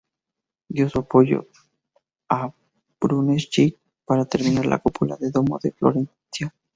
Dio su apoyo a Brunelleschi para terminar la cúpula del domo de Florencia.